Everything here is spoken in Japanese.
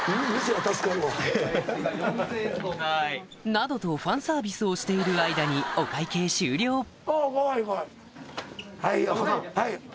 などとファンサービスをしている間にお会計終了あかわいいかわいい。